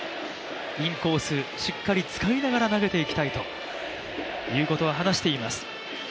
インコース、しっかり使いながら投げていきたいということを話しています。